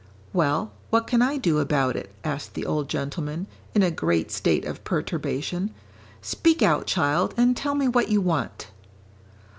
"Well, what can I do about it?" asked the old gentleman, in a great state of perturbation. "Speak out, child, and tell me what you want."